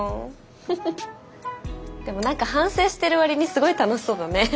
でも何か反省してる割にすごい楽しそうだね。